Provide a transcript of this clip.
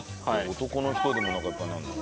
男の人でもおなかいっぱいになるの？